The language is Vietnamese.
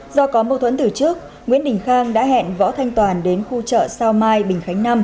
do có mâu thuẫn từ trước nguyễn đình khang đã hẹn võ thanh toàn đến khu chợ sao mai bình khánh năm